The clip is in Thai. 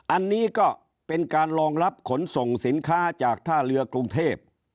อันนี้ก็เป็นการรองรับขนส่งสินค้าจากท่าเรือกรุงเทพ